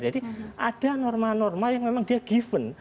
jadi ada norma norma yang memang dia given